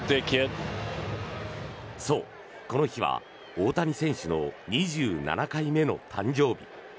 そう、この日は大谷選手の２７回目の誕生日。